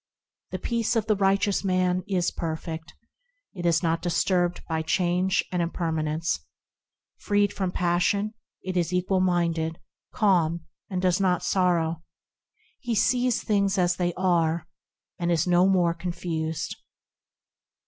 The peace of the righteous man is perfect; It is not disturbed by change and impermanence ; Freed from passion, it is equal minded, calm, and does not sorrow ; He sees things as they are, and is no more confused.